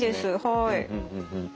はい。